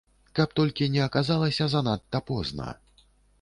Каб толькі не аказалася занадта позна.